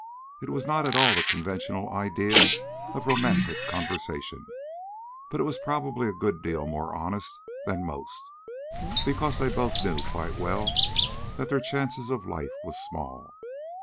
It was not at all the conventional idea of romantic conversation, but it was probably a good deal more honest than most, because they both knew quite well that their chance of life was small.